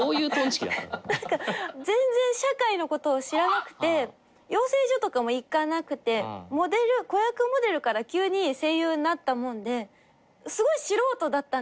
全然社会のことを知らなくて養成所とかも行かなくて子役モデルから急に声優になったもんですごい素人だったんです。